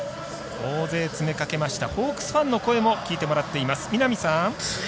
大勢詰めかけましたホークスファンの声も聞いてもらっています、見浪さん。